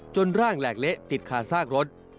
ร่างแหลกเละติดคาซากรถ